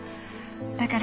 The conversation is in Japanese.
だから。